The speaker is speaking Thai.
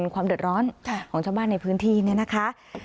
ความเดือดร้อนของชาวบ้านในพื้นที่เนี่ยนะคะ